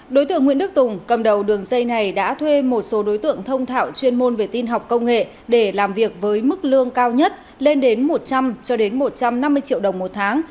đối tượng nguyễn đức tùng cầm đầu đường dây này đã thuê một số đối tượng thông thảo chuyên môn về tin học công nghệ để làm việc với mức lương cao nhất lên đến một trăm linh cho đến một trăm năm mươi triệu đồng một tháng